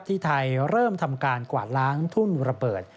ที่ไทยเริ่มทำการกวาดล้างทุ่นระเบิด